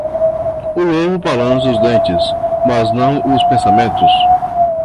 O lobo balança os dentes, mas não os pensamentos.